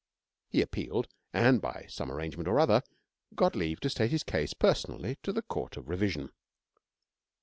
He appealed and, by some arrangement or other, got leave to state his case personally to the Court of Revision.